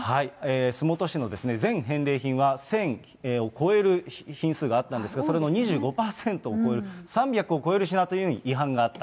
洲本市の全返礼品は１０００を超える品数があったんですが、それの２５％を超える、３００を超える品という違反があった。